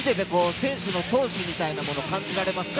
選手の闘志みたいのは感じられますか？